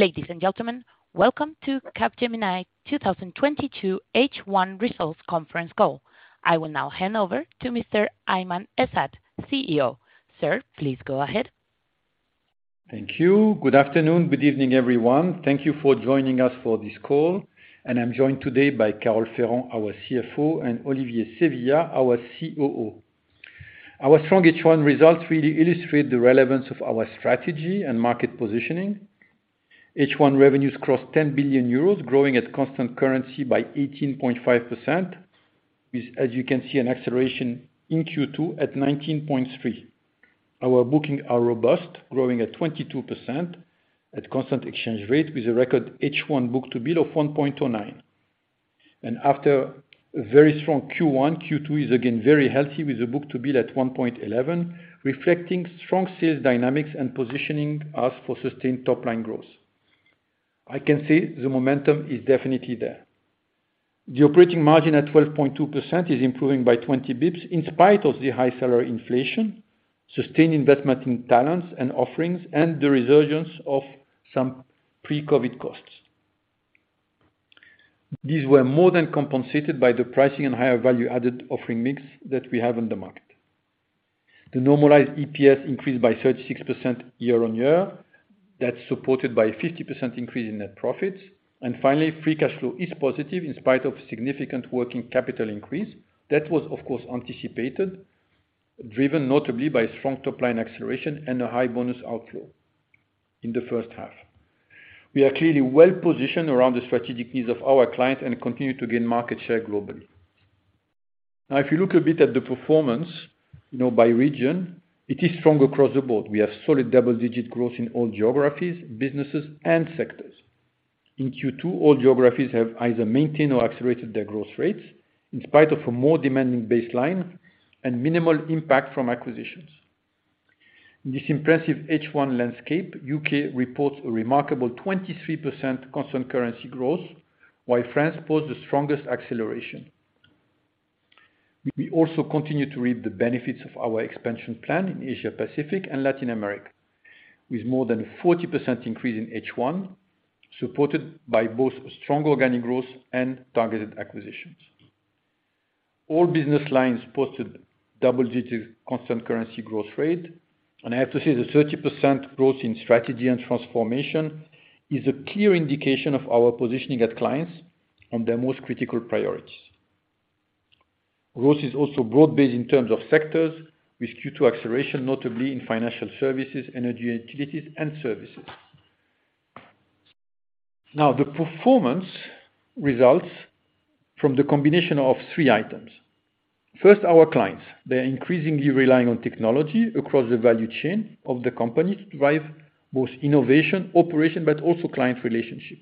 Ladies and gentlemen, welcome to Capgemini 2022 H1 results conference call. I will now hand over to Mr. Aiman Ezzat, CEO. Sir, please go ahead. Thank you. Good afternoon, good evening, everyone. Thank you for joining us for this call. I'm joined today by Carole Ferrand, our CFO, and Olivier Sevillia, our COO. Our strong H1 results really illustrate the relevance of our strategy and market positioning. H1 revenues crossed 10 billion euros, growing at constant currency by 18.5%. As you can see, an acceleration in Q2 at 19.3%. Our bookings are robust, growing at 22% at constant exchange rate with a record H1 book-to-bill of 1.09. After a very strong Q1, Q2 is again very healthy, with a book-to-bill at 1.11, reflecting strong sales dynamics and positioning us for sustained top-line growth. I can say the momentum is definitely there. The operating margin at 12.2% is improving by 20 basis points in spite of the high salary inflation, sustained investment in talents and offerings, and the resurgence of some pre-COVID costs. These were more than compensated by the pricing and higher value-added offering mix that we have on the market. The normalized EPS increased by 36% year-on-year. That's supported by a 50% increase in net profits. Finally, free cash flow is positive in spite of significant working capital increase. That was, of course, anticipated, driven notably by strong top-line acceleration and a high bonus outflow in the first half. We are clearly well-positioned around the strategic needs of our clients and continue to gain market share globally. Now, if you look a bit at the performance, you know, by region, it is strong across the board. We have solid double-digit growth in all geographies, businesses, and sectors. In Q2, all geographies have either maintained or accelerated their growth rates in spite of a more demanding baseline and minimal impact from acquisitions. In this impressive H1 landscape, U.K. reports a remarkable 23% constant currency growth, while France posts the strongest acceleration. We also continue to reap the benefits of our expansion plan in Asia-Pacific and Latin America with more than a 40% increase in H1, supported by both strong organic growth and targeted acquisitions. All business lines posted double-digit constant currency growth rate, and I have to say the 30% growth in Strategy and Transformation is a clear indication of our positioning at clients on their most critical priorities. Growth is also broad-based in terms of sectors with Q2 acceleration, notably in financial services, energy and utilities, and services. Now the performance results from the combination of three items. First, our clients. They are increasingly relying on technology across the value chain of the company to drive both innovation, operation, but also client relationship.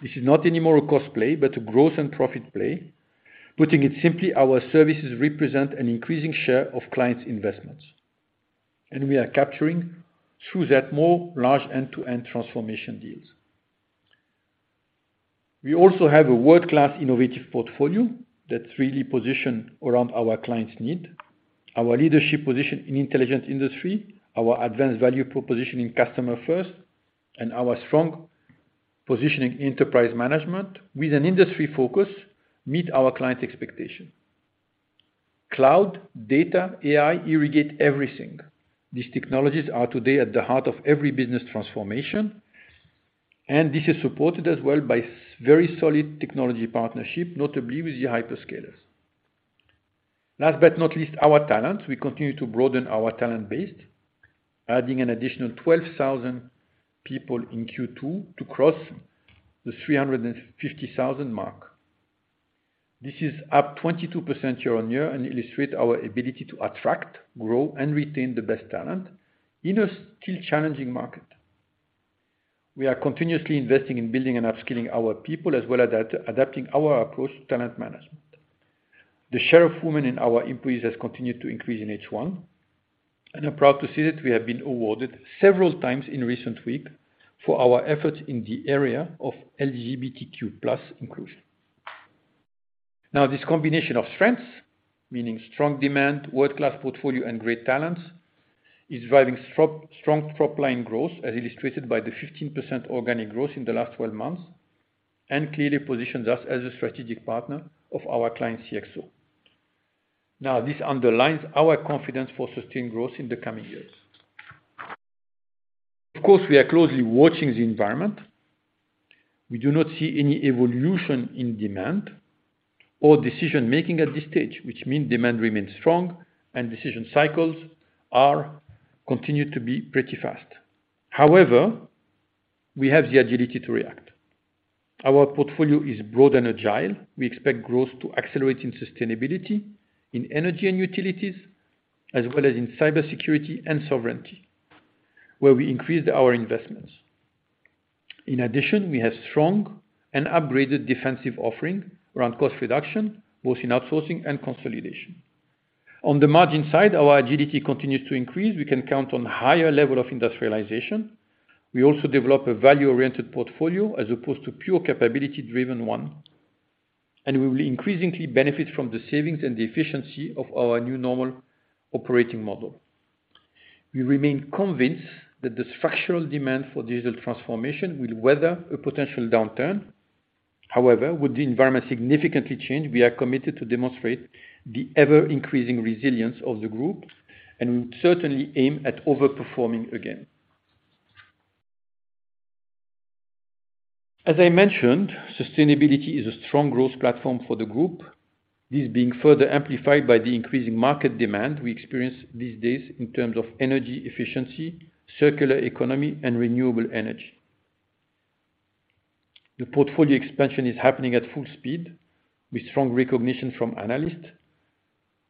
This is not anymore a cost play, but a growth and profit play. Putting it simply, our services represent an increasing share of clients' investments, and we are capturing through that more large end-to-end transformation deals. We also have a world-class innovative portfolio that's really positioned around our clients' need. Our leadership position in Intelligent Industry, our advanced value proposition in Customer First, and our strong positioning Enterprise Management with an industry focus meet our client expectation. Cloud, data, AI irrigate everything. These technologies are today at the heart of every business transformation, and this is supported as well by a very solid technology partnership, notably with the hyperscalers. Last but not least, our talents. We continue to broaden our talent base, adding an additional 12,000 people in Q2 to cross the 350,000 mark. This is up 22% year-on-year and illustrate our ability to attract, grow, and retain the best talent in a still challenging market. We are continuously investing in building and upskilling our people, as well as adapting our approach to talent management. The share of women in our employees has continued to increase in H1, and I'm proud to say that we have been awarded several times in recent weeks for our efforts in the area of LGBTQ+ inclusion. Now, this combination of strengths, meaning strong demand, world-class portfolio, and great talents, is driving strong top-line growth, as illustrated by the 15% organic growth in the last 12 months, and clearly positions us as a strategic partner of our client CXO. Now, this underlines our confidence for sustained growth in the coming years. Of course, we are closely watching the environment. We do not see any evolution in demand or decision-making at this stage, which means demand remains strong and decision cycles continue to be pretty fast. However, we have the agility to react. Our portfolio is broad and agile. We expect growth to accelerate in sustainability, in energy and utilities, as well as in cybersecurity and sovereignty, where we increased our investments. In addition, we have strong and upgraded defensive offering around cost reduction, both in outsourcing and consolidation. On the margin side, our agility continues to increase. We can count on higher level of industrialization. We also develop a value-oriented portfolio as opposed to pure capability-driven one. We will increasingly benefit from the savings and the efficiency of our new normal operating model. We remain convinced that the structural demand for digital transformation will weather a potential downturn. However, would the environment significantly change, we are committed to demonstrate the ever-increasing resilience of the group, and we certainly aim at over-performing again. As I mentioned, sustainability is a strong growth platform for the group. This being further amplified by the increasing market demand we experience these days in terms of energy efficiency, circular economy, and renewable energy. The portfolio expansion is happening at full speed with strong recognition from analysts.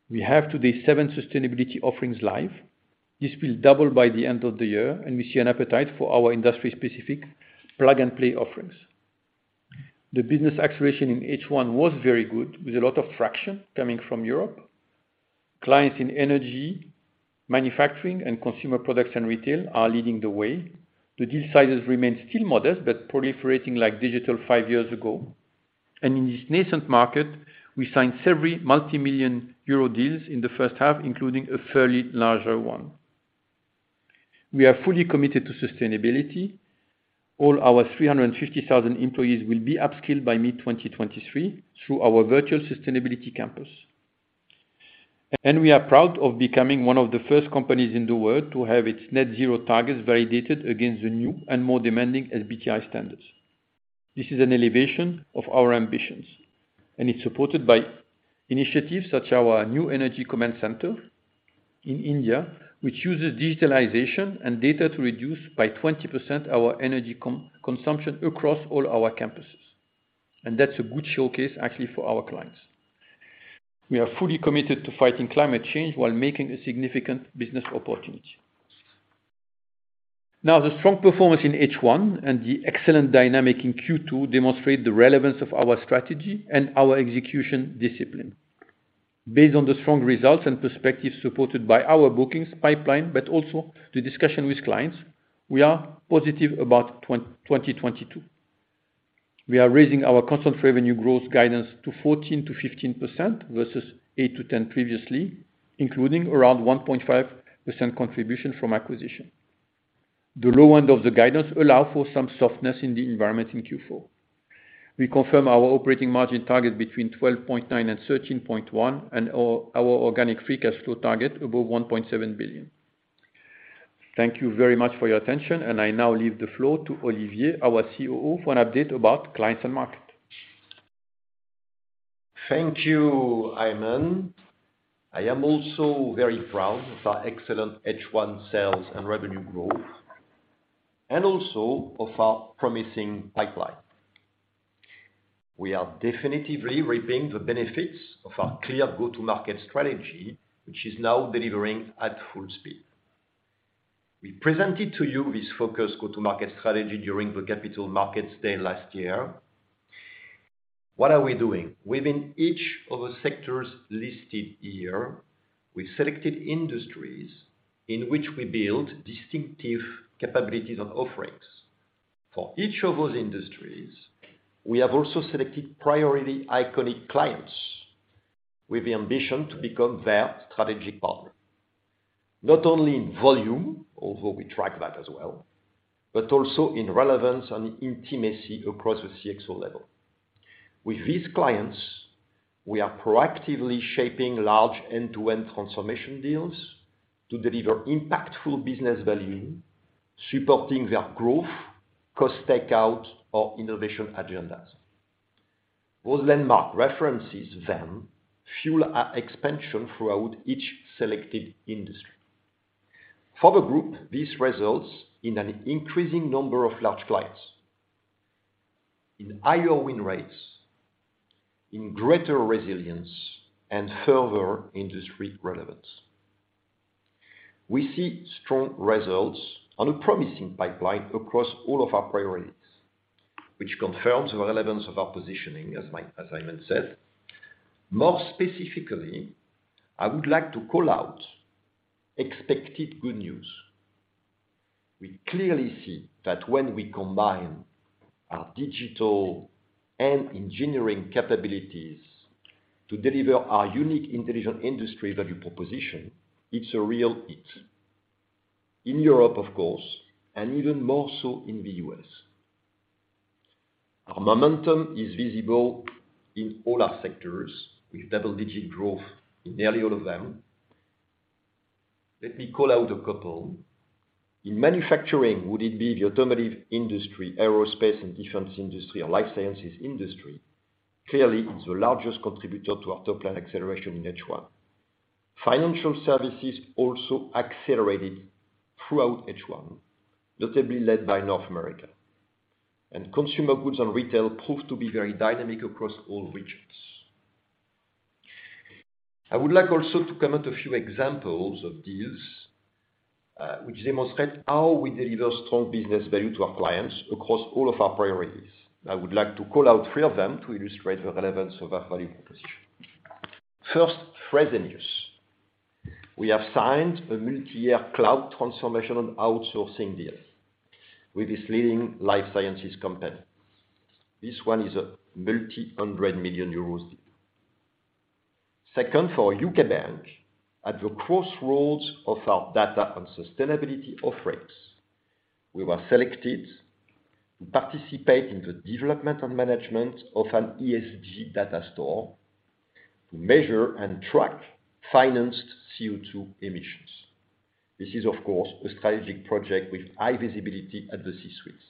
We have today seven sustainability offerings live. This will double by the end of the year, and we see an appetite for our industry-specific plug-and-play offerings. The business acceleration in H1 was very good, with a lot of traction coming from Europe. Clients in energy, manufacturing, and consumer products and retail are leading the way. The deal sizes remain still modest, but proliferating like digital five years ago. In this nascent market, we signed several multimillion euro deals in the first half, including a fairly large one. We are fully committed to sustainability. All our 350,000 employees will be upskilled by mid-2023 through our virtual sustainability campus. We are proud of becoming one of the first companies in the world to have its net-zero targets validated against the new and more demanding SBTi standards. This is an elevation of our ambitions, and it's supported by initiatives such as our new energy command center in India, which uses digitalization and data to reduce by 20% our energy consumption across all our campuses. That's a good showcase actually for our clients. We are fully committed to fighting climate change while making a significant business opportunity. The strong performance in H1 and the excellent dynamic in Q2 demonstrate the relevance of our strategy and our execution discipline. Based on the strong results and perspectives supported by our bookings pipeline, but also the discussion with clients, we are positive about 2022. We are raising our consult revenue growth guidance to 14%-15% versus 8%-10% previously, including around 1.5% contribution from acquisition. The low end of the guidance allow for some softness in the environment in Q4. We confirm our operating margin target between 12.9% and 13.1%, and our organic free cash flow target above 1.7 billion. Thank you very much for your attention, and I now leave the floor to Olivier, our COO, for an update about clients and market. Thank you, Aiman. I am also very proud of our excellent H1 sales and revenue growth, and also of our promising pipeline. We are definitively reaping the benefits of our clear go-to-market strategy, which is now delivering at full speed. We presented to you this focused go-to-market strategy during the Capital Markets Day last year. What are we doing? Within each of the sectors listed here, we've selected industries in which we build distinctive capabilities and offerings. For each of those industries, we have also selected priority iconic clients with the ambition to become their strategic partner, not only in volume, although we track that as well, but also in relevance and intimacy across the CXO level. With these clients, we are proactively shaping large end-to-end transformation deals to deliver impactful business value, supporting their growth, cost takeout or innovation agendas. Those landmark references then fuel our expansion throughout each selected industry. For the group, this results in an increasing number of large clients, in higher win rates, in greater resilience, and further industry relevance. We see strong results on a promising pipeline across all of our priorities, which confirms the relevance of our positioning as Aiman said. More specifically, I would like to call out expected good news. We clearly see that when we combine our digital and engineering capabilities to deliver our unique Intelligent Industry value proposition, it's a real hit. In Europe, of course, and even more so in the U.S. Our momentum is visible in all our sectors with double-digit growth in nearly all of them. Let me call out a couple. In manufacturing, it would be the automotive industry, aerospace and defense industry or life sciences industry, clearly is the largest contributor to our top-line acceleration in H1. Financial services also accelerated throughout H1, notably led by North America. Consumer goods and retail proved to be very dynamic across all regions. I would like also to comment a few examples of these, which demonstrate how we deliver strong business value to our clients across all of our priorities. I would like to call out three of them to illustrate the relevance of our value proposition. First, Fresenius. We have signed a multi-year cloud transformation and outsourcing deal with this leading life sciences company. This one is a multi-hundred million euro deal. Second, for a U.K. bank, at the crossroads of our data and sustainability offerings, we were selected to participate in the development and management of an ESG data store to measure and track financed CO2 emissions. This is, of course, a strategic project with high visibility at the C-suites.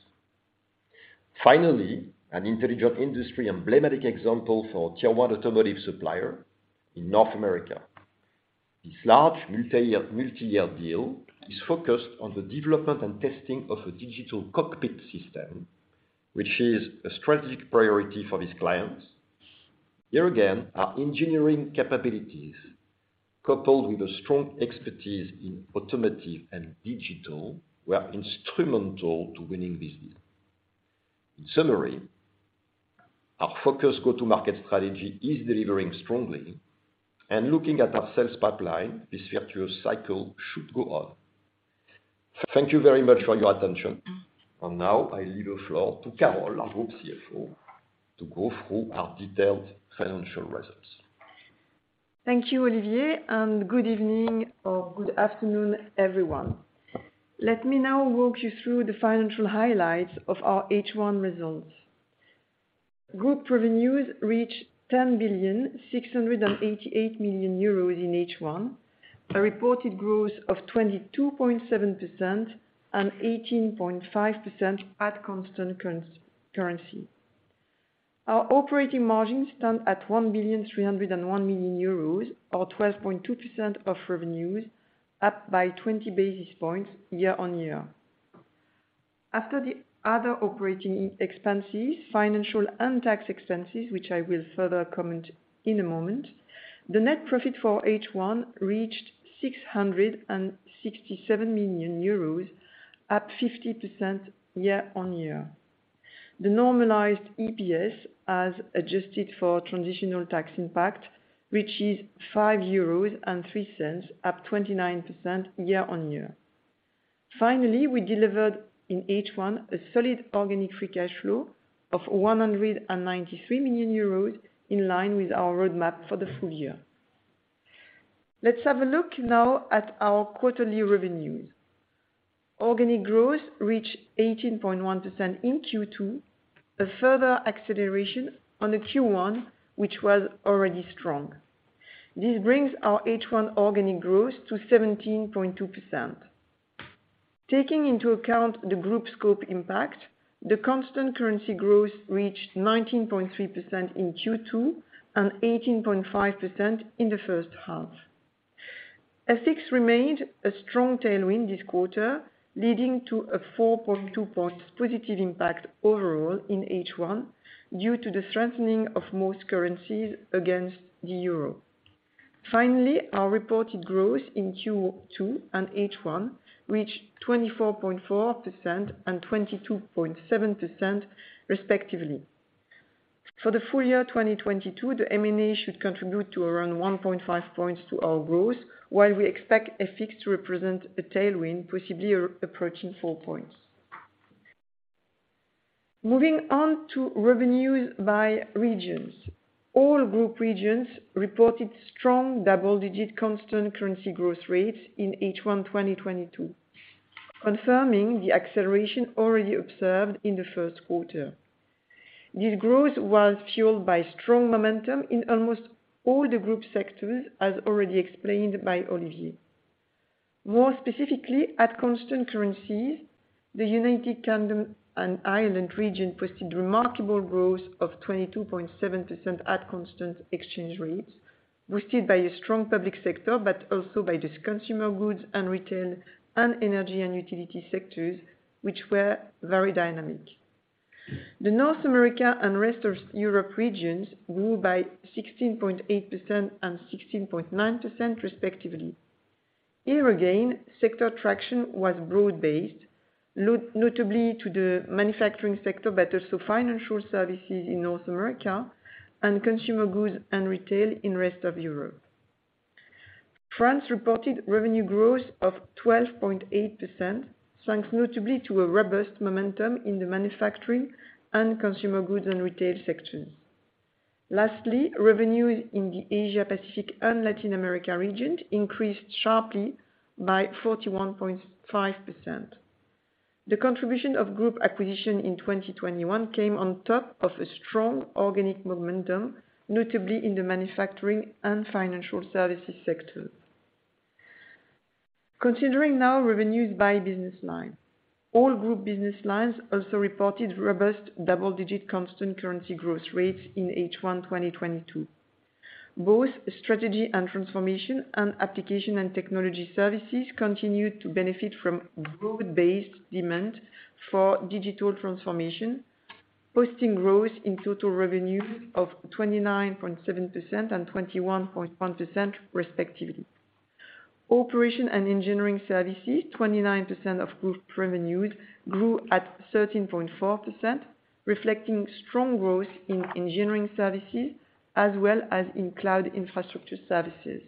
Finally, an Intelligent Industry and emblematic example for Tier 1 automotive supplier in North America. This large multi-year deal is focused on the development and testing of a digital cockpit system, which is a strategic priority for this client. Here again, our engineering capabilities, coupled with a strong expertise in automotive and digital, were instrumental to winning this deal. In summary, our focused go-to-market strategy is delivering strongly. Looking at our sales pipeline, this virtuous cycle should go on. Thank you very much for your attention. Now I leave the floor to Carole, our group CFO, to go through our detailed financial results. Thank you, Olivier, and good evening or good afternoon, everyone. Let me now walk you through the financial highlights of our H1 results. Group revenues reached 10,688 million euros in H1, a reported growth of 22.7% and 18.5% at constant currency. Our operating margins stand at 1,301 million euros, or 12.2% of revenues, up by 20 basis points year on year. After the other operating expenses, financial and tax expenses, which I will further comment in a moment, the net profit for H1 reached 667 million euros, up 50% year on year. The normalized EPS, as adjusted for transitional tax impact, reaches 5.03, up 29% year on year. Finally, we delivered in H1 a solid organic free cash flow of 193 million euros, in line with our roadmap for the full year. Let's have a look now at our quarterly revenues. Organic growth reached 18.1% in Q2, a further acceleration on the Q1, which was already strong. This brings our H1 organic growth to 17.2%. Taking into account the group scope impact, the constant currency growth reached 19.3% in Q2 and 18.5% in the first half. FX remained a strong tailwind this quarter, leading to a 4.2 positive impact overall in H1 due to the strengthening of most currencies against the euro. Finally, our reported growth in Q2 and H1 reached 24.4% and 22.7% respectively. For the full year 2022, the M&A should contribute to around 1.5 points to our growth, while we expect FX to represent a tailwind, possibly approaching 4 points. Moving on to revenues by regions. All group regions reported strong double-digit constant currency growth rates in H1 2022, confirming the acceleration already observed in the first quarter. This growth was fueled by strong momentum in almost all the group sectors, as already explained by Olivier. More specifically, at constant currencies, the United Kingdom and Ireland region posted remarkable growth of 22.7% at constant exchange rates, boosted by a strong public sector, but also by the consumer goods and retail and energy and utility sectors, which were very dynamic. The North America and Rest of Europe regions grew by 16.8% and 16.9% respectively. Here again, sector traction was broad-based, notably to the manufacturing sector, but also financial services in North America and consumer goods and retail in Rest of Europe. France reported revenue growth of 12.8%, thanks notably to a robust momentum in the manufacturing and consumer goods and retail sectors. Lastly, revenues in the Asia Pacific and Latin America region increased sharply by 41.5%. The contribution of group acquisition in 2021 came on top of a strong organic momentum, notably in the manufacturing and financial services sector. Considering now revenues by business line. All group business lines also reported robust double-digit constant currency growth rates in H1 2022. Both Strategy and Transformation and Application and Technology Services continued to benefit from broad-based demand for digital transformation, posting growth in total revenues of 29.7% and 21.1% respectively. Operations and Engineering Services, 29% of group revenues, grew at 13.4%, reflecting strong growth in engineering services as well as in Cloud Infrastructure Services.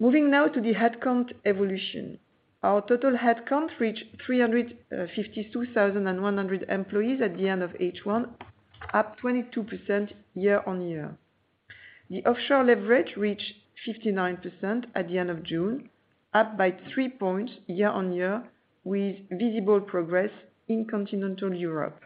Moving now to the headcount evolution. Our total headcount reached 352,100 employees at the end of H1, up 22% year-on-year. The offshore leverage reached 59% at the end of June, up by 3 points year-on-year with visible progress in continental Europe.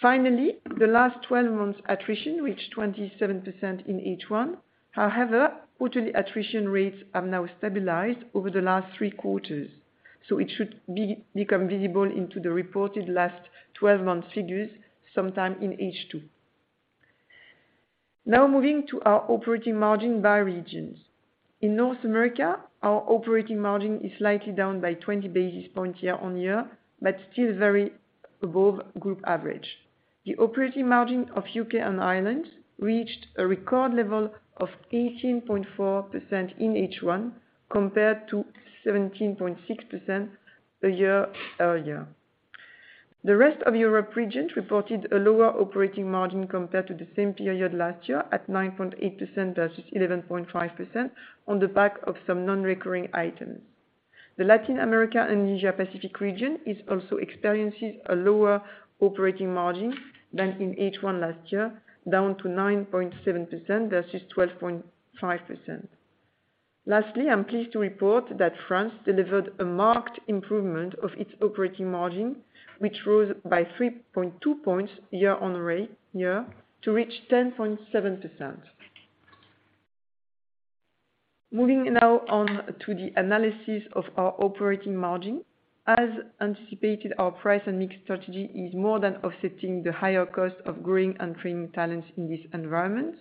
Finally, the last twelve months attrition reached 27% in H1. However, quarterly attrition rates have now stabilized over the last three quarters, so it should become visible in the reported last 12 months figures sometime in H2. Now moving to our operating margin by regions. In North America, our operating margin is slightly down by 20 basis points year-on-year, but still well above group average. The operating margin of U.K. and Ireland reached a record level of 18.4% in H1 compared to 17.6% a year earlier. The rest of Europe region reported a lower operating margin compared to the same period last year at 9.8% versus 11.5% on the back of some non-recurring items. The Latin America and Asia Pacific region is also experiencing a lower operating margin than in H1 last year, down to 9.7% versus 12.5%. Lastly, I'm pleased to report that France delivered a marked improvement of its operating margin, which rose by 3.2 points year-on-year to reach 10.7%. Moving now on to the analysis of our operating margin. As anticipated, our price and mix strategy is more than offsetting the higher cost of growing and training talents in this environment.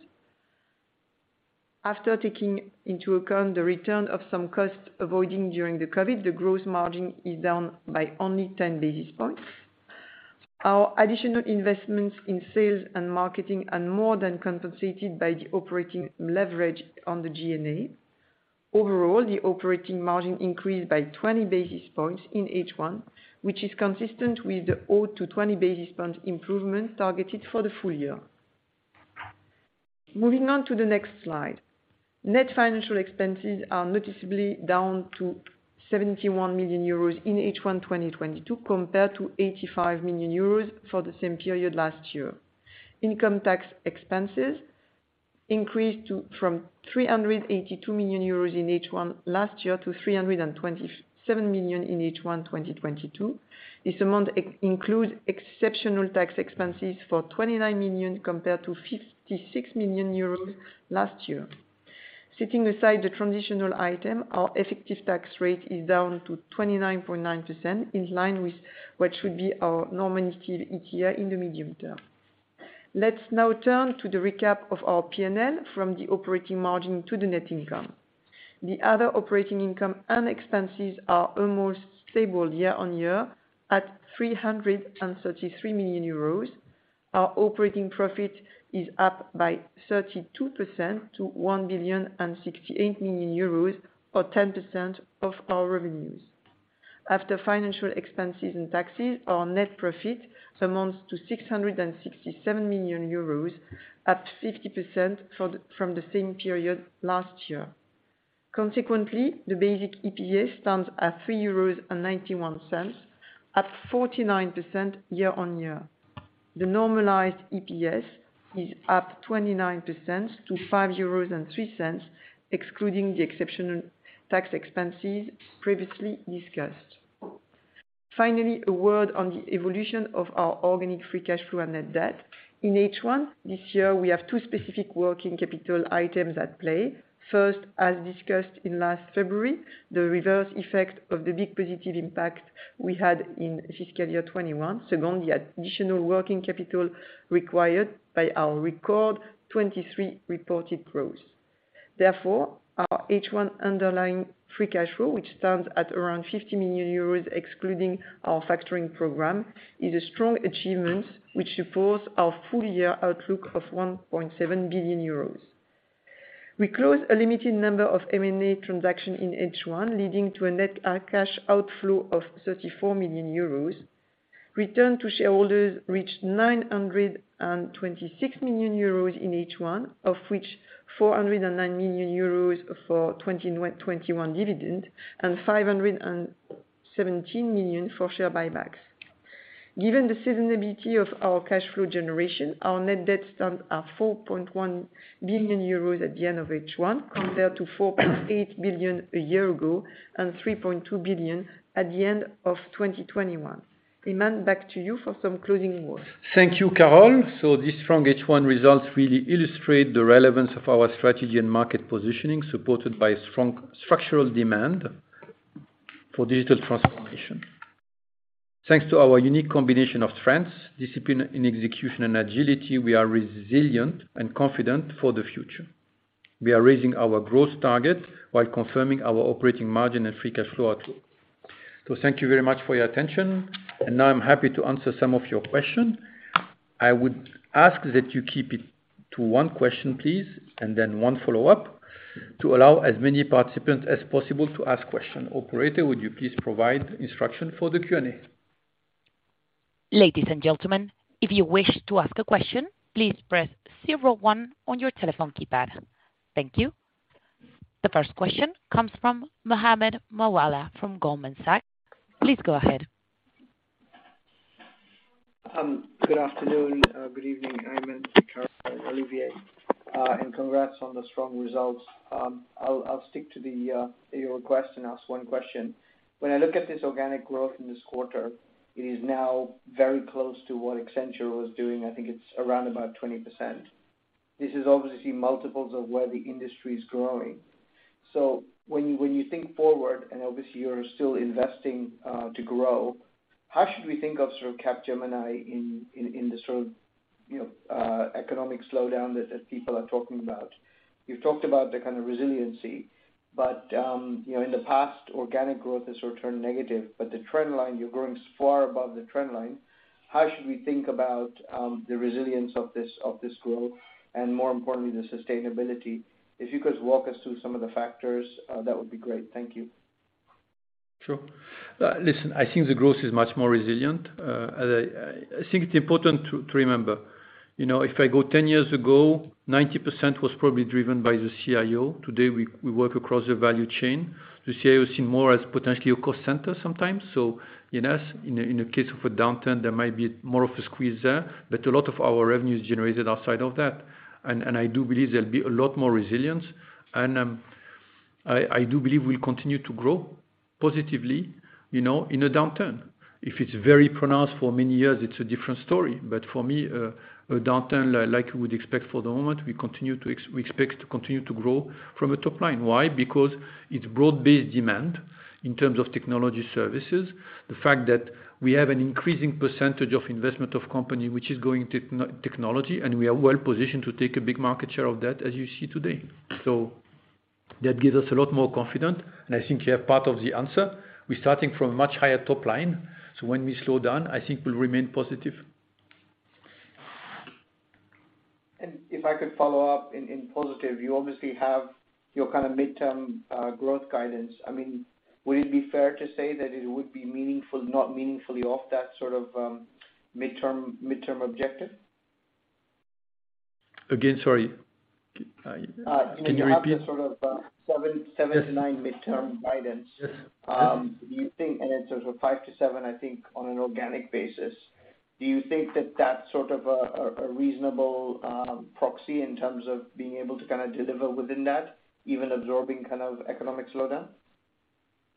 After taking into account the return of some costs avoided during the COVID, the gross margin is down by only 10 basis points. Our additional investments in sales and marketing are more than compensated by the operating leverage on the G&A. Overall, the operating margin increased by 20 basis points in H1, which is consistent with the 0-20 basis points improvement targeted for the full year. Moving on to the next slide. Net financial expenses are noticeably down to 71 million euros in H1 2022 compared to 85 million euros for the same period last year. Income tax expenses increased to, from 382 million euros in H1 last year to 327 million in H1 2022. This amount includes exceptional tax expenses for 29 million compared to 56 million euros last year. Sitting aside the transitional item, our effective tax rate is down to 29.9% in line with what should be our normality ETR in the medium term. Let's now turn to the recap of our P&L from the operating margin to the net income. The other operating income and expenses are almost stable year on year at 333 million euros. Our operating profit is up by 32% to 1,068 million euros, or 10% of our revenues. After financial expenses and taxes, our net profit amounts to 667 million euros, up 50% from the same period last year. Consequently, the basic EPS stands at 3.91 euros, up 49% year-on-year. The normalized EPS is up 29% to 5.03 euros excluding the exceptional tax expenses previously discussed. Finally, a word on the evolution of our organic free cash flow and net debt. In H1 this year, we have two specific working capital items at play. First, as discussed in last February, the reverse effect of the big positive impact we had in fiscal year 2021. Second, the additional working capital required by our record 23% reported growth. Therefore, our H1 underlying free cash flow, which stands at around 50 million euros excluding our factoring program, is a strong achievement which supports our full year outlook of 1.7 billion euros. We closed a limited number of M&A transaction in H1, leading to a net cash outflow of 34 million euros. Return to shareholders reached 926 million euros in H1, of which 409 million euros for 2021 dividend and 517 million for share buybacks. Given the sustainability of our cash flow generation, our Net Debt stands at 4.1 billion euros at the end of H1 compared to 4.8 billion a year ago and 3.2 billion at the end of 2021. Aiman, back to you for some closing words. Thank you, Carole. These strong H1 results really illustrate the relevance of our strategy and market positioning, supported by strong structural demand for digital transformation. Thanks to our unique combination of strengths, discipline in execution and agility, we are resilient and confident for the future. We are raising our growth targets while confirming our operating margin and free cash flow outlook. Thank you very much for your attention. Now I'm happy to answer some of your questions. I would ask that you keep it to one question, please, and then one follow-up, to allow as many participants as possible to ask questions. Operator, would you please provide instructions for the Q&A? Ladies and gentlemen, if you wish to ask a question, please press zero one on your telephone keypad. Thank you. The first question comes from Mohammed Moawalla from Goldman Sachs. Please go ahead. Good afternoon, good evening, Aiman, Charles, and Olivier. Congrats on the strong results. I'll stick to your request and ask one question. When I look at this organic growth in this quarter, it is now very close to what Accenture was doing. I think it's around about 20%. This is obviously multiples of where the industry's growing. When you think forward, and obviously you're still investing to grow, how should we think of sort of Capgemini in the sort of, you know, economic slowdown that people are talking about? You've talked about the kind of resiliency, but you know, in the past, organic growth has sort of turned negative, but the trend line, you're growing far above the trend line. How should we think about, the resilience of this growth, and more importantly, the sustainability? If you could walk us through some of the factors, that would be great. Thank you. Sure. Listen, I think the growth is much more resilient. I think it's important to remember, you know, if I go 10 years ago, 90% was probably driven by the CIO. Today, we work across the value chain. The CIO is seen more as potentially a call center sometimes. Yes, in a case of a downturn, there might be more of a squeeze there. A lot of our revenue is generated outside of that. I do believe there'll be a lot more resilience. I do believe we'll continue to grow positively, you know, in a downturn. If it's very pronounced for many years, it's a different story. For me, a downturn like you would expect for the moment, we expect to continue to grow from a top line. Why? Because it's broad-based demand in terms of technology services. The fact that we have an increasing percentage of investment of company, which is going tech-technology, and we are well-positioned to take a big market share of that, as you see today. That gives us a lot more confidence, and I think you have part of the answer. We're starting from a much higher top line, so when we slow down, I think we'll remain positive. If I could follow up in positive, you obviously have your kind of midterm growth guidance. I mean, would it be fair to say that it would be meaningful, not meaningfully off that sort of midterm objective? Again, sorry. Can you repeat? When you have the sort of 7%-9% midterm guidance. Yes. Do you think it's sort of 5%-7%, I think, on an organic basis. Do you think that that's sort of a reasonable proxy in terms of being able to kinda deliver within that, even absorbing kind of economic slowdown?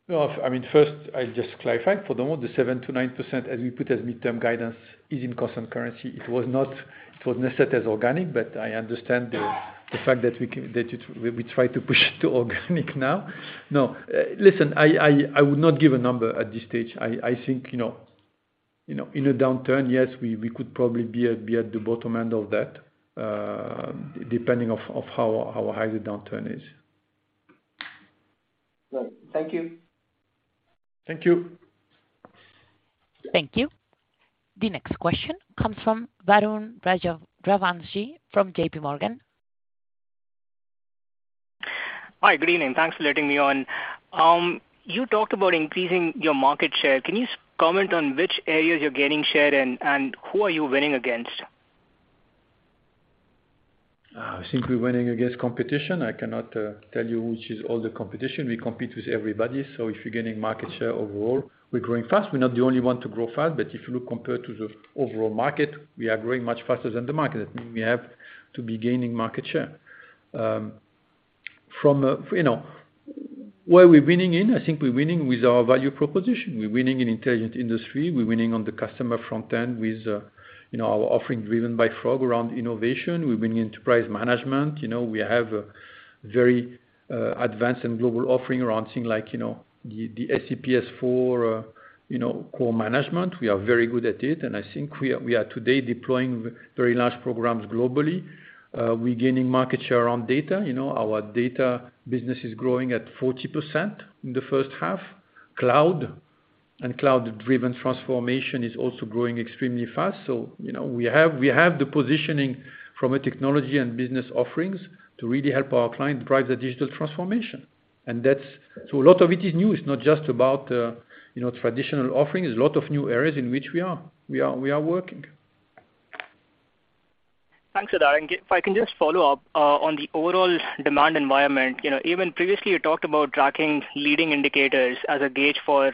No, I mean, first, I'll just clarify. For the most part, the 7%-9%, as we put as mid-term guidance, is in constant currency. It was necessary as organic, but I understand the fact that we try to push it to organic now. No, listen, I would not give a number at this stage. I think, you know, in a downturn, yes, we could probably be at the bottom end of that, depending on how high the downturn is. Great. Thank you. Thank you. Thank you. The next question comes from Varun Rajavanshi from JP Morgan. Hi, good evening. Thanks for letting me on. You talked about increasing your market share. Can you comment on which areas you're gaining share and who are you winning against? Simply winning against competition. I cannot tell you which is all the competition. We compete with everybody, so if you're gaining market share overall, we're growing fast. We're not the only one to grow fast. If you look compared to the overall market, we are growing much faster than the market. That mean we have to be gaining market share. From a, you know, where we're winning in, I think we're winning with our value proposition. We're winning in Intelligent Industry. We're winning on the customer front end with, you know, our offering driven by Frog around innovation. We're winning Enterprise Management. You know, we have a very advanced and global offering around things like, you know, the SAP S/4HANA, you know, core management. We are very good at it, and I think we are today deploying very large programs globally. We're gaining market share around data. You know, our data business is growing at 40% in the first half. Cloud and cloud-driven transformation is also growing extremely fast. You know, we have the positioning from a technology and business offerings to really help our client drive the digital transformation. That's so a lot of it is new. It's not just about, you know, traditional offerings. There's a lot of new areas in which we are working. Thanks for that. If I can just follow up on the overall demand environment. You know, even previously, you talked about tracking leading indicators as a gauge for,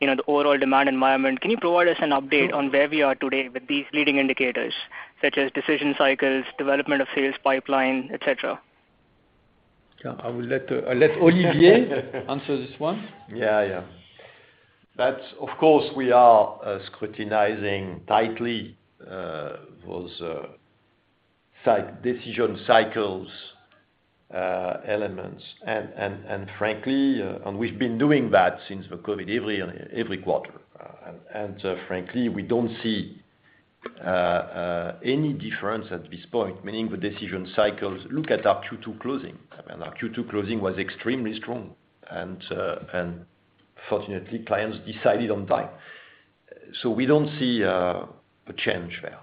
you know, the overall demand environment. Can you provide us an update on where we are today with these leading indicators, such as decision cycles, development of sales pipeline, etc.? Yeah. I'll let Olivier answer this one. Yeah. Yeah. Of course we are scrutinizing tightly those client decision cycles elements. Frankly, we've been doing that since the COVID every quarter. Frankly, we don't see any difference at this point, meaning the decision cycles. Look at our Q2 closing. I mean, our Q2 closing was extremely strong, and fortunately clients decided on time. We don't see a change there.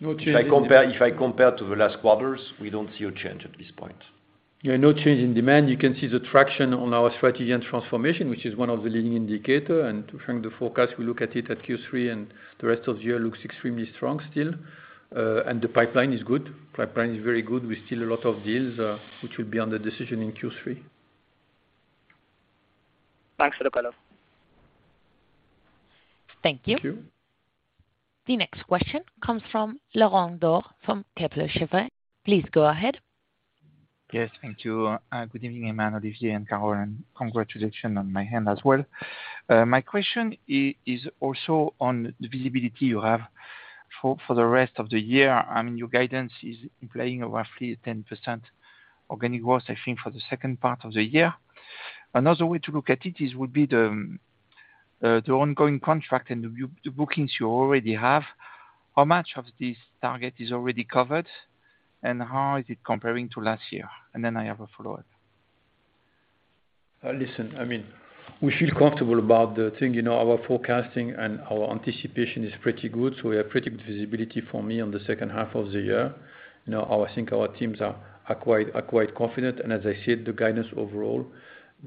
No change in demand. If I compare to the last quarters, we don't see a change at this point. Yeah, no change in demand. You can see the traction on our Strategy and Transformation, which is one of the leading indicator. To frame the forecast, we look at it at Q3, and the rest of the year looks extremely strong still. The pipeline is good. Pipeline is very good. We still have a lot of deals, which will be under decision in Q3. Thanks for the color. Thank you. Thank you. The next question comes from Laurent Daure from Kepler Cheuvreux. Please go ahead. Yes, thank you. Good evening, Aiman, Olivier, and Carole, and congratulations on my end as well. My question is also on the visibility you have for the rest of the year. I mean, your guidance is implying roughly 10% organic growth, I think, for the second part of the year. Another way to look at it would be the ongoing contract and the bookings you already have. How much of this target is already covered, and how is it comparing to last year? I have a follow-up. Listen, I mean, we feel comfortable about the thing. You know, our forecasting and our anticipation is pretty good, so we have pretty good visibility for me on the second half of the year. You know, I think our teams are quite confident. As I said, the guidance overall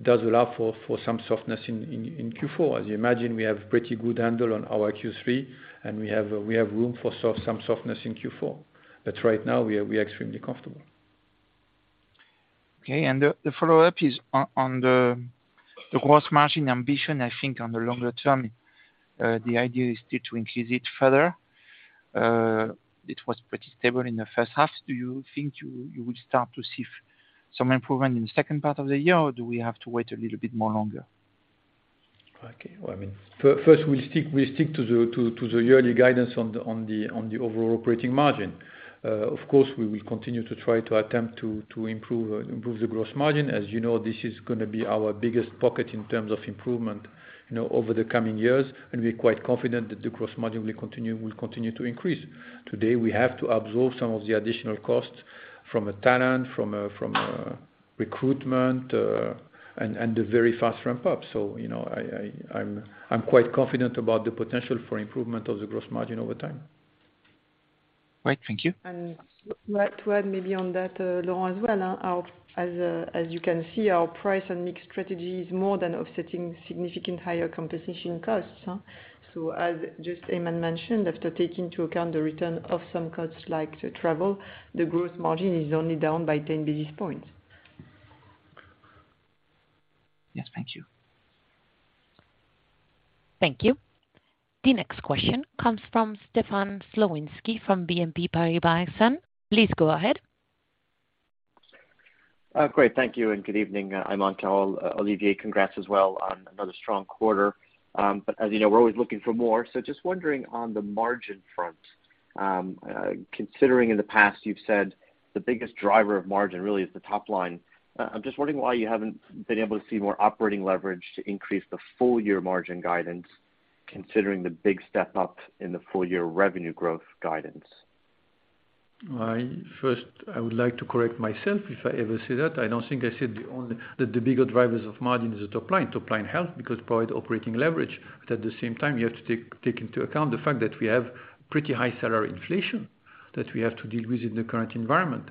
does allow for some softness in Q4. As you imagine, we have pretty good handle on our Q3, and we have room for some softness in Q4. But right now we are extremely comfortable. Okay. The follow-up is on the gross margin ambition, I think, on the longer term. The idea is still to increase it further. It was pretty stable in the first half. Do you think you will start to see some improvement in the second part of the year, or do we have to wait a little bit more longer? Okay. Well, I mean, first we'll stick to the yearly guidance on the overall operating margin. Of course, we will continue to try to improve the gross margin. As you know, this is gonna be our biggest pocket in terms of improvement, you know, over the coming years. We're quite confident that the gross margin will continue to increase. Today, we have to absorb some of the additional costs from talent recruitment and the very fast ramp up. You know, I'm quite confident about the potential for improvement of the gross margin over time. Right. Thank you. To add maybe on that, Laurent as well. As you can see, our price and mix strategy is more than offsetting significantly higher compensation costs. As just Aiman mentioned, after taking into account the return of some costs like the travel, the gross margin is only down by 10 basis points. Yes. Thank you. Thank you. The next question comes from Stefan Slowinski from BNP Paribas. Please go ahead. Great. Thank you and good evening, Aiman, Carole, Olivier, congrats as well on another strong quarter. As you know, we're always looking for more. Just wondering on the margin front, considering in the past you've said the biggest driver of margin really is the top line. I'm just wondering why you haven't been able to see more operating leverage to increase the full year margin guidance considering the big step up in the full year revenue growth guidance. First, I would like to correct myself if I ever say that. I don't think I said that the bigger drivers of margin is the top line. Top line helps because provide operating leverage, but at the same time, you have to take into account the fact that we have pretty high salary inflation that we have to deal with in the current environment.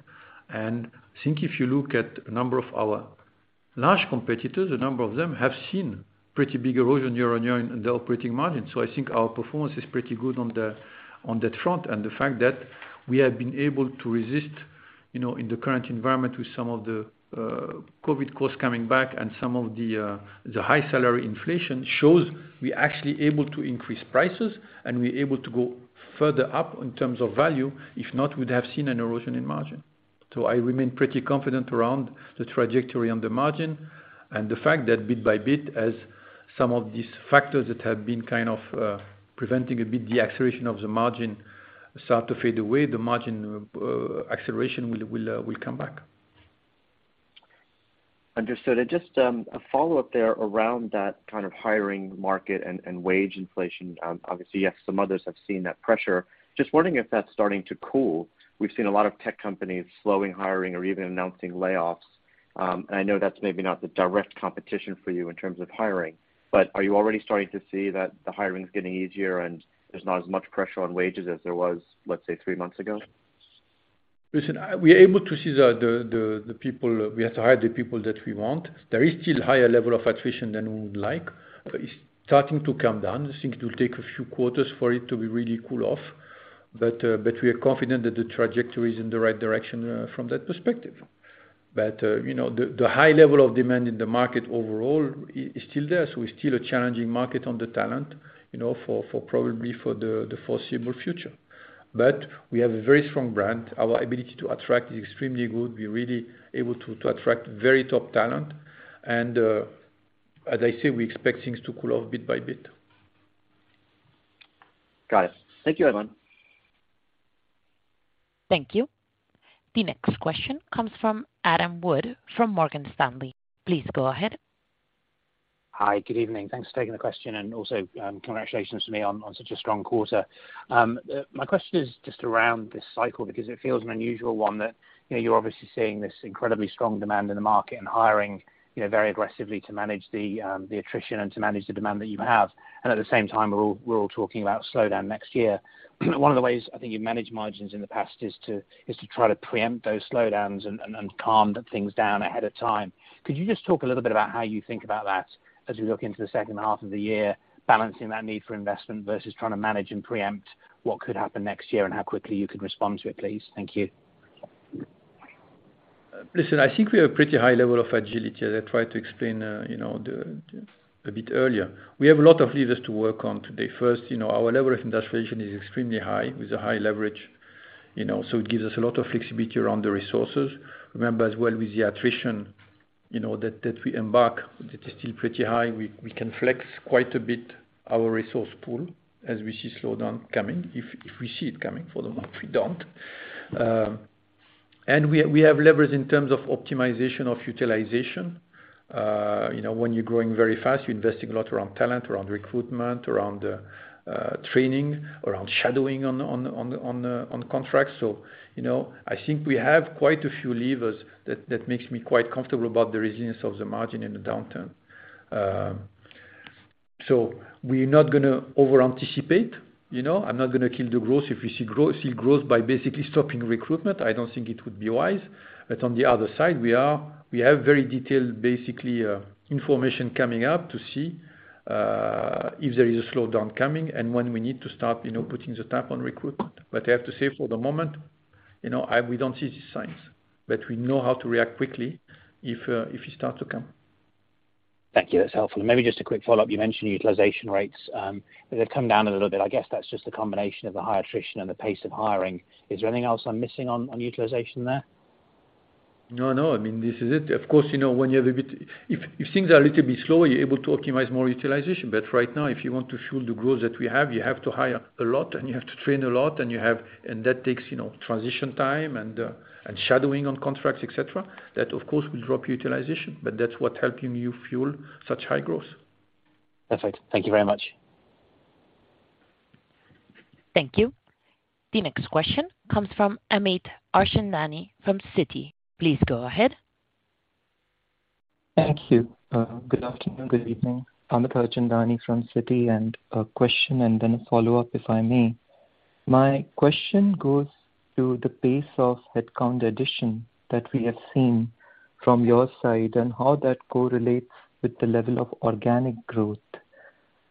I think if you look at a number of our large competitors, a number of them have seen pretty big erosion year-over-year in their operating margin. I think our performance is pretty good on that front. The fact that we have been able to resist, you know, in the current environment with some of the COVID costs coming back and some of the the high salary inflation shows we're actually able to increase prices and we're able to go further up in terms of value. If not, we'd have seen an erosion in margin. I remain pretty confident around the trajectory on the margin. The fact that bit by bit as some of these factors that have been kind of preventing a bit the acceleration of the margin start to fade away, the margin acceleration will come back. Understood. Just a follow-up there around that kind of hiring market and wage inflation. Obviously, yes, some others have seen that pressure. Just wondering if that's starting to cool. We've seen a lot of tech companies slowing hiring or even announcing layoffs. I know that's maybe not the direct competition for you in terms of hiring, but are you already starting to see that the hiring is getting easier and there's not as much pressure on wages as there was, let's say, three months ago? Listen, we're able to see the people. We have to hire the people that we want. There is still higher level of attrition than we would like, but it's starting to come down. I think it will take a few quarters for it to be really cool off. We are confident that the trajectory is in the right direction, from that perspective. You know, the high level of demand in the market overall is still there, so it's still a challenging market on the talent, you know, for probably the foreseeable future. We have a very strong brand. Our ability to attract is extremely good. We're really able to attract very top talent. As I say, we expect things to cool off bit by bit. Got it. Thank you, Aiman. Thank you. The next question comes from Adam Wood from Morgan Stanley. Please go ahead. Hi. Good evening. Thanks for taking the question, and also, congratulations to me on such a strong quarter. My question is just around this cycle because it feels an unusual one that, you know, you're obviously seeing this incredibly strong demand in the market and hiring, you know, very aggressively to manage the attrition and to manage the demand that you have. At the same time, we're all talking about slowdown next year. One of the ways I think you manage margins in the past is to try to preempt those slowdowns and calm things down ahead of time. Could you just talk a little bit about how you think about that as we look into the second half of the year, balancing that need for investment versus trying to manage and preempt what could happen next year and how quickly you can respond to it, please? Thank you. Listen, I think we have a pretty high level of agility, as I tried to explain, you know, a bit earlier. We have a lot of levers to work on today. First, you know, our level of industrialization is extremely high, with a high leverage, you know. It gives us a lot of flexibility around the resources. Remember as well with the attrition, you know, that we embrace, that is still pretty high. We can flex quite a bit our resource pool as we see slowdown coming, if we see it coming, for the moment we don't. We have levers in terms of optimization of utilization. You know, when you're growing very fast, you're investing a lot around talent, around recruitment, around training, around shadowing on contracts. You know, I think we have quite a few levers that makes me quite comfortable about the resilience of the margin in the downturn. We're not gonna over-anticipate, you know. I'm not gonna kill the growth if we see growth by basically stopping recruitment. I don't think it would be wise. On the other side, we have very detailed, basically, information coming up to see if there is a slowdown coming and when we need to start, you know, putting the tap on recruitment. I have to say for the moment, you know, we don't see these signs. We know how to react quickly if it start to come. Thank you. That's helpful. Maybe just a quick follow-up. You mentioned utilization rates, they've come down a little bit. I guess that's just a combination of the high attrition and the pace of hiring. Is there anything else I'm missing on utilization there? No, no. I mean, this is it. Of course, you know, when you have a bit. If things are a little bit slow, you're able to optimize more utilization. Right now, if you want to fuel the growth that we have, you have to hire a lot, and you have to train a lot. That takes, you know, transition time and shadowing on contracts, et cetera. That of course will drop utilization, but that's what helping you fuel such high growth. Perfect. Thank you very much. Thank you. The next question comes from Amit Harchandani from Citi. Please go ahead. Thank you. Good afternoon, good evening. Amit Harchandani from Citi. A question and then a follow-up, if I may. My question goes to the pace of headcount addition that we have seen from your side and how that correlates with the level of organic growth.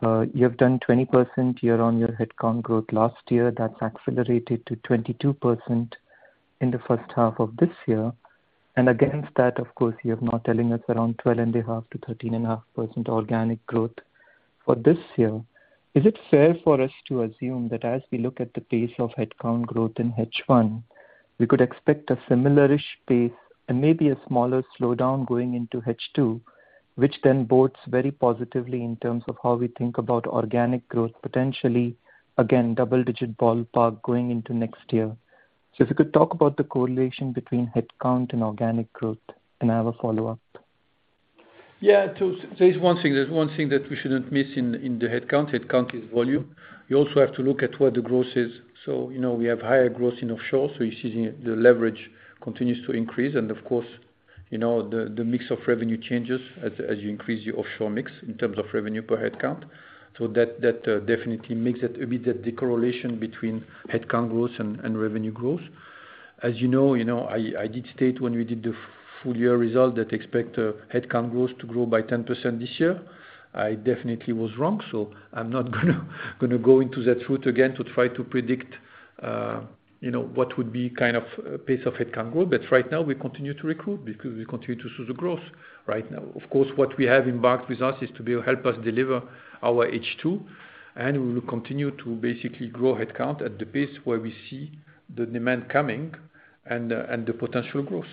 You have done 20% year-on-year headcount growth last year. That's accelerated to 22% in the first half of this year. Against that, of course, you're now telling us around 12.5%-13.5% organic growth for this year. Is it fair for us to assume that as we look at the pace of headcount growth in H1, we could expect a similar-ish pace and maybe a smaller slowdown going into H2, which then bodes very positively in terms of how we think about organic growth, potentially again, double digit ballpark going into next year? If you could talk about the correlation between headcount and organic growth. I have a follow-up. There's one thing that we shouldn't miss in the headcount. Headcount is volume. You also have to look at where the growth is. You know, we have higher growth in offshore, so you're seeing the leverage continues to increase. Of course, you know, the mix of revenue changes as you increase your offshore mix in terms of revenue per headcount. That definitely makes it a bit of the correlation between headcount growth and revenue growth. As you know, you know, I did state when we did the full year result that headcount growth to grow by 10% this year. I definitely was wrong, so I'm not gonna go into that route again to try to predict, you know, what would be kind of pace of headcount growth. Right now we continue to recruit because we continue to show the growth right now. Of course, what we have embarked on is to help us deliver our H2, and we will continue to basically grow headcount at the pace where we see the demand coming and the potential growth.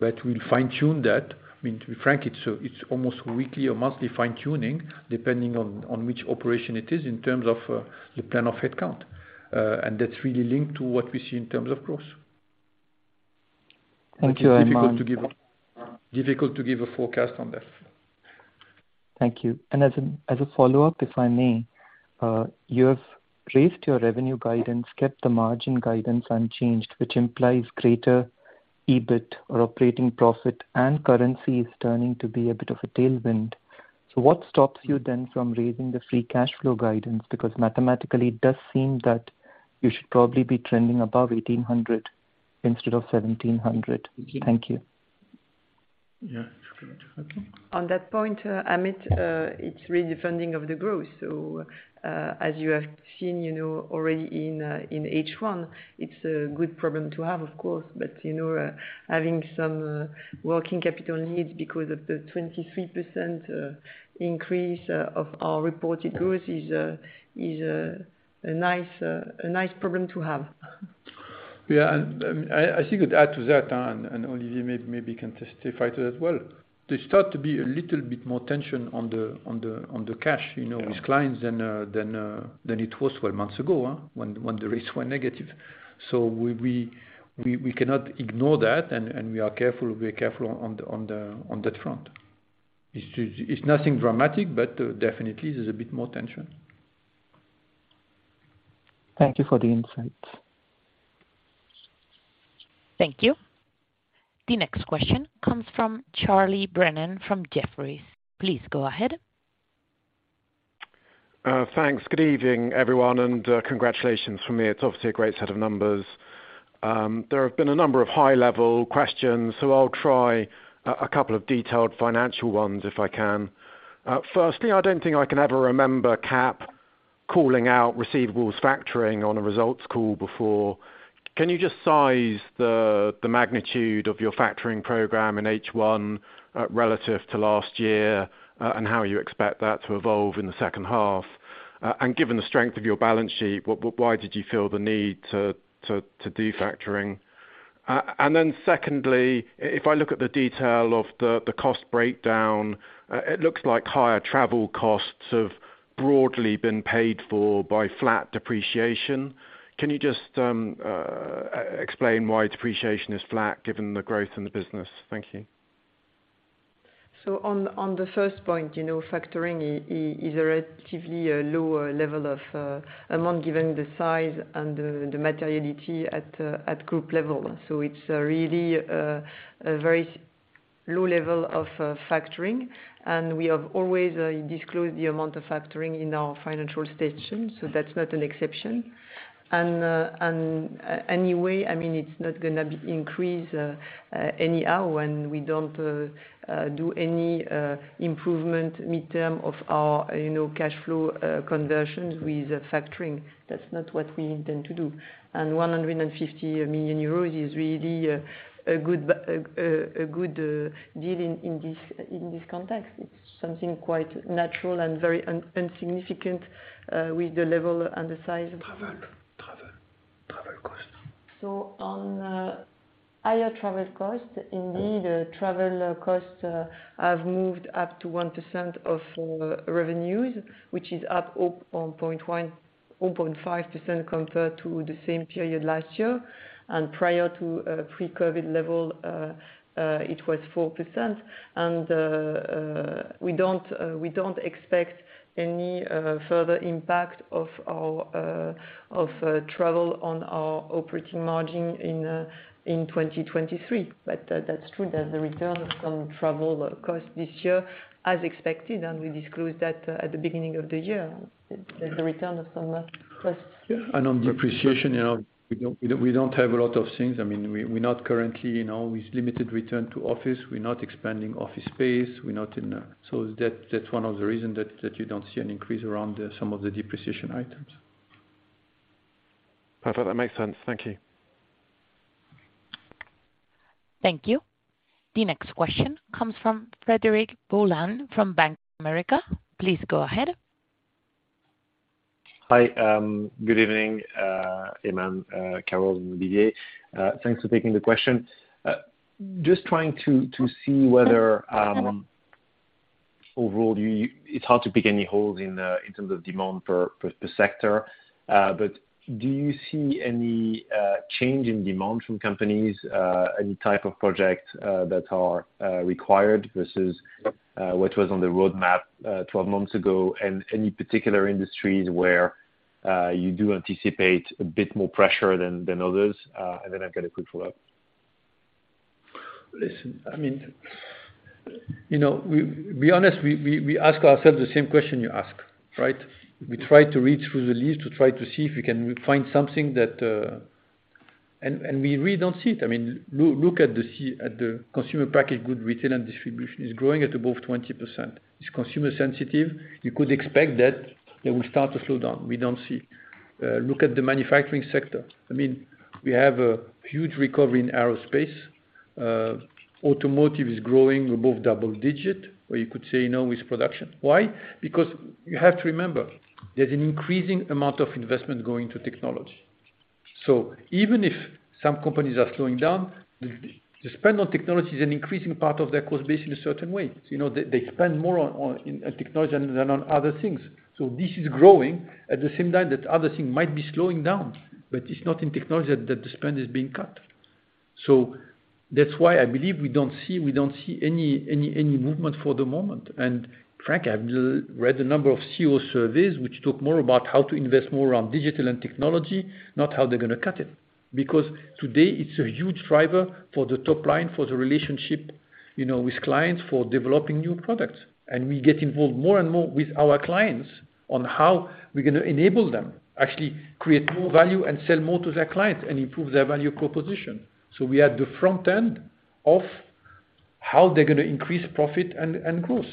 We'll fine-tune that. I mean, to be frank, it's almost weekly or monthly fine-tuning, depending on which operation it is in terms of the plan of headcount. And that's really linked to what we see in terms of growth. Thank you very much. Difficult to give a forecast on that. Thank you. As a follow-up, if I may, you have raised your revenue guidance, kept the margin guidance unchanged, which implies greater EBIT or operating profit and currency is turning to be a bit of a tailwind. What stops you then from raising the free cash flow guidance? Because mathematically it does seem that you should probably be trending above 1,800 instead of 1,700. Thank you. Yeah. Sure. Okay. On that point, Amit, it's really the funding of the growth. As you have seen, you know, already in H1, it's a good problem to have of course. You know, having some working capital needs because of the 23% increase of our reported growth is a nice problem to have. Yeah, I think I'd add to that, and Olivier maybe can testify to that as well. There start to be a little bit more tension on the cash, you know, with clients than it was four months ago, when the rates were negative. We cannot ignore that, and we are careful. We're careful on that front. It's just. It's nothing dramatic, but definitely there's a bit more tension. Thank you for the insight. Thank you. The next question comes from Charles Brennan from Jefferies. Please go ahead. Thanks. Good evening, everyone, and congratulations from me. It's obviously a great set of numbers. There have been a number of high-level questions, so I'll try a couple of detailed financial ones if I can. Firstly, I don't think I can ever remember Cap calling out receivables factoring on a results call before. Can you just size the magnitude of your factoring program in H1, relative to last year, and how you expect that to evolve in the second half? Given the strength of your balance sheet, why did you feel the need to do factoring? Secondly, if I look at the detail of the cost breakdown, it looks like higher travel costs have broadly been paid for by flat depreciation. Can you just explain why depreciation is flat given the growth in the business? Thank you. On the first point, you know, factoring is relatively a lower level of, among given the size and the materiality at group level. It's really a very low level of factoring, and we have always disclosed the amount of factoring in our financial statement, so that's not an exception. Anyway, I mean, it's not gonna be increased anyhow when we don't do any improvement mid-term of our, you know, cash flow conversions with factoring. That's not what we intend to do. 150 million euros is really a good balance, a good deal in this context. It's something quite natural and very insignificant with the level and the size of. Travel cost. On higher travel costs, indeed, travel costs have moved up to 1% of revenues, which is up 0.1-0.5% compared to the same period last year. Prior to pre-COVID level, it was 4%. We don't expect any further impact of our travel on our operating margin in 2023. That's true that the return of some travel costs this year as expected, and we disclosed that at the beginning of the year. There's the return of some costs. Yeah. On depreciation, you know, we don't have a lot of things. I mean, we're not currently, you know, with limited return to office, we're not expanding office space. So that's one of the reasons that you don't see an increase around some of the depreciation items. Perfect. That makes sense. Thank you. Thank you. The next question comes from Frederic Boulan from Bank of America. Please go ahead. Hi. Good evening, Aiman, Carole, and Olivier. Thanks for taking the question. It's hard to pick any holes in terms of demand per sector. Do you see any change in demand from companies, any type of project that are required versus what was on the roadmap 12 months ago? Any particular industries where you do anticipate a bit more pressure than others? I've got a quick follow-up. Listen, I mean, you know, we honestly ask ourselves the same question you ask, right? We try to read through the list to try to see if we can find something that. We really don't see it. I mean, look at the consumer packaged goods retail and distribution. It's growing at above 20%. It's consumer sensitive. You could expect that it will start to slow down. We don't see. Look at the manufacturing sector. I mean, we have a huge recovery in aerospace. Automotive is growing above double-digit, or you could say now with production. Why? Because you have to remember, there's an increasing amount of investment going to technology. So even if some companies are slowing down, the spend on technology is an increasing part of their cost base in a certain way. You know, they spend more on in technology than on other things. This is growing at the same time that other thing might be slowing down. It's not in technology that the spend is being cut. That's why I believe we don't see any movement for the moment. Frankly, I've read a number of CEO surveys which talk more about how to invest more around digital and technology, not how they're gonna cut it. Because today it's a huge driver for the top line, for the relationship, you know, with clients, for developing new products. We get involved more and more with our clients on how we're gonna enable them actually create more value and sell more to their clients and improve their value proposition. We are at the front end of how they're gonna increase profit and growth.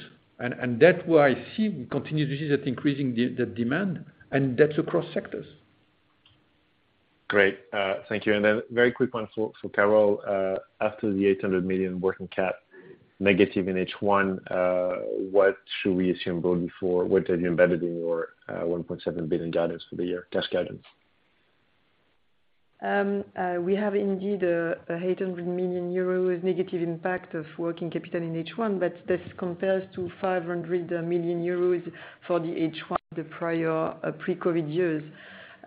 That's where I see we continue to see that increasing the demand, and that's across sectors. Great. Thank you. Very quick one for Carole. After the 800 million working cap negative in H1, what should we assume going forward? What have you embedded in your 1.7 billion guidance for the year, cash guidance? We have indeed a 800 million euros negative impact of working capital in H1, but this compares to 500 million euros for the H1, the prior pre-COVID years.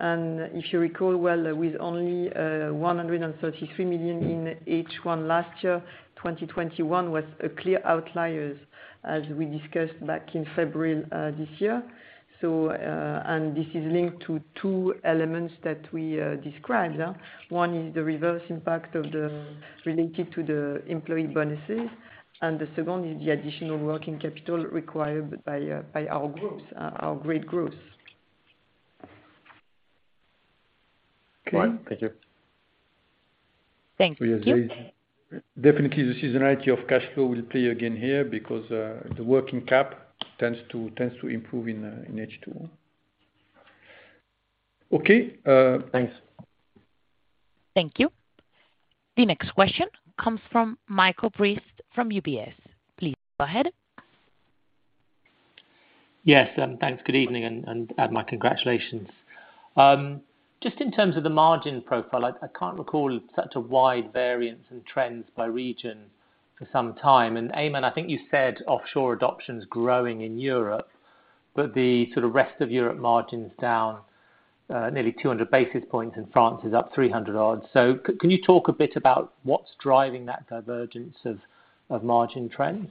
If you recall, with only 133 million in H1 last year, 2021 was a clear outlier, as we discussed back in February this year. This is linked to two elements that we described. One is the reverse impact related to the employee bonuses, and the second is the additional working capital required by our growth, our great growth. Okay, thank you. Thank you. Definitely the seasonality of cash flow will play again here because the working cap tends to improve in H2. Okay. Thanks. Thank you. The next question comes from Michael Briest from UBS. Please go ahead. Yes. Thanks. Good evening, and add my congratulations. Just in terms of the margin profile, I can't recall such a wide variance in trends by region for some time. Aiman, I think you said offshore adoption's growing in Europe, but the sort of rest of Europe margin's down nearly 200 basis points and France is up 300 basis points. Can you talk a bit about what's driving that divergence of margin trends?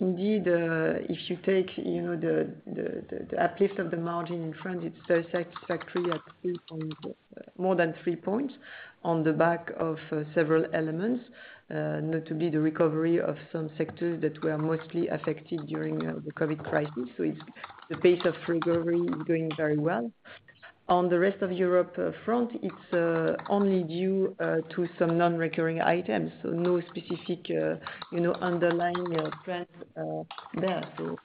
Indeed, if you take, you know, the uplift of the margin in France, it's so satisfactory at more than three points on the back of several elements, notably the recovery of some sectors that were mostly affected during the COVID crisis. It's the pace of recovery is going very well. On the rest of Europe front, it's only due to some non-recurring items. No specific, you know, underlying trends there. Nothing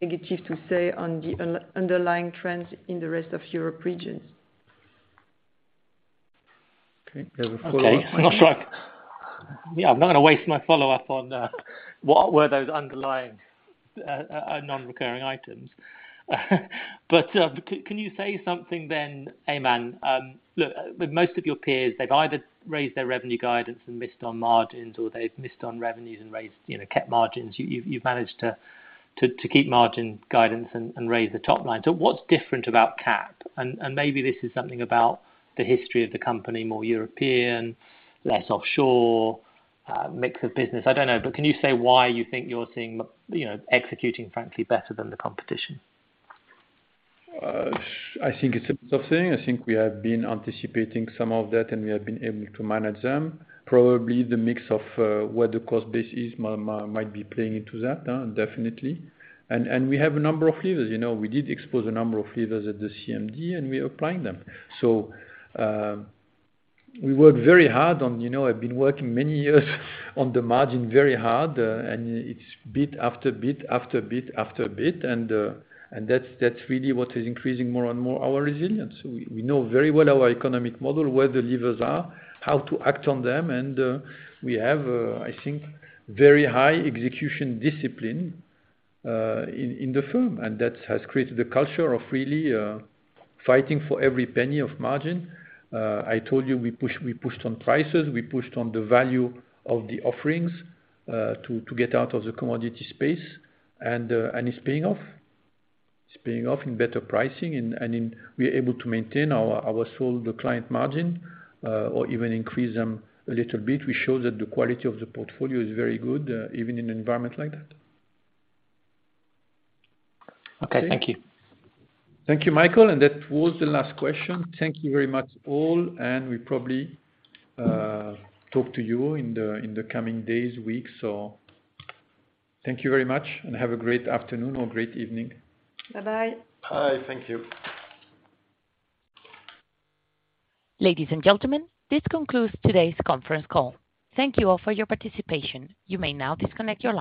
negative to say on the underlying trends in the rest of Europe region. Okay. There's a follow-up. Okay. I'm not gonna waste my follow-up on what were those underlying non-recurring items. Can you say something then, Aiman. Look, with most of your peers, they've either raised their revenue guidance and missed on margins or they've missed on revenues and raised, you know, kept margins. You've managed to keep margin guidance and raise the top line. What's different about Cap? Maybe this is something about the history of the company, more European, less offshore mix of business. I don't know. Can you say why you think you're seeing, you know, executing frankly better than the competition? I think it's a bit of things. I think we have been anticipating some of that, and we have been able to manage them. Probably the mix of where the cost base is might be playing into that, definitely. We have a number of levers. You know, we did expose a number of levers at the CMD, and we are applying them. We worked very hard on the margin. You know, I've been working many years on the margin, very hard, and it's bit after bit. That's really what is increasing more and more our resilience. We know very well our economic model, where the levers are, how to act on them. We have, I think, very high execution discipline in the firm, and that has created a culture of really fighting for every penny of margin. I told you we push, we pushed on prices, we pushed on the value of the offerings to get out of the commodity space. It's paying off. It's paying off in better pricing and in we're able to maintain our sold client margin or even increase them a little bit. We show that the quality of the portfolio is very good even in an environment like that. Okay. Thank you. Thank you, Michael. That was the last question. Thank you very much all, and we probably talk to you in the coming days, weeks. Thank you very much and have a great afternoon or great evening. Bye-bye. Bye. Thank you. Ladies and gentlemen, this concludes today's conference call. Thank you all for your participation. You may now disconnect your lines.